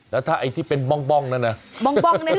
แล้วถ้าไอ้ที่เป็นบ้องนั้นนะ